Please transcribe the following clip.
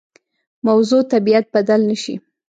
موضوع طبیعت بدل نه شي.